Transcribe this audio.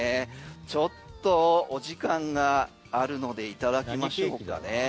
ちょっとお時間があるのでいただきましょうかね。